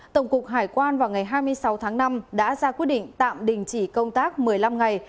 tổng cục hải quan vào ngày hai mươi sáu tháng năm đã ra quyết định tạm đình chỉ công tác một mươi năm ngày